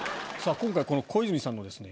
今回この小泉さんのですね